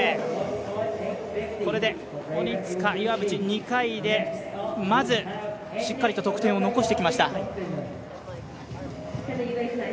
これで鬼塚、岩渕、２回でまずしっかりと得点を残してきました。